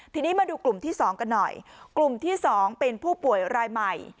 ทีนี้มาดูกลุ่มที่๒กันหน่อยกลุ่มที่๒เป็นผู้ป่วยรายใหม่